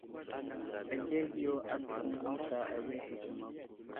Azlehe yo asəkum muta awehe.